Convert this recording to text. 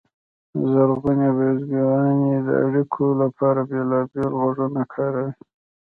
زرغونې بیزوګانې د اړیکو لپاره بېلابېل غږونه کاروي.